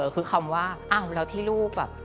คือคำว่าอ้าวแล้วที่ลูกแบบ